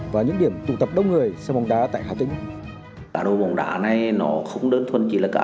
và những điểm tụ tập đông người xem bóng đá tại hà tĩnh